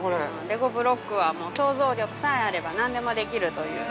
◆レゴブロックは、想像力さえあれば何でもできるという。